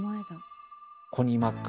コニー・マック。